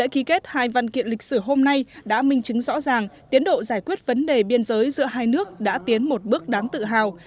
ký kết hai văn kiện lịch sử hôm nay đã minh chứng rõ ràng tiến độ giải quyết vấn đề biên giới giữa hai nước đã tiến một bước đáng tự hào